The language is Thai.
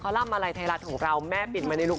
ร่ำมาลัยไทยรัฐของเราแม่ปิ่นมาในลูก